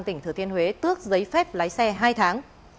tỉnh thừa thiên huế tước giấy phép lái xe hai tháng